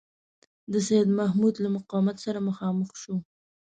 د سیدمحمود له مقاومت سره مخامخ شو.